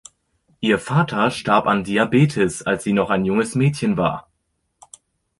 Ihr Vater starb an Diabetes, als sie noch ein junges Mädchen war.